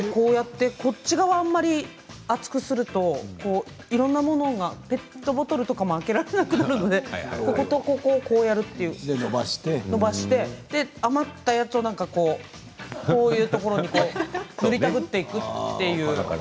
手のひら側を厚くするといろいろなものがペットボトルとかも開けられなくなるので手の甲と手の甲で伸ばして余ったやつを首とかこういうところに塗りたくっていくという。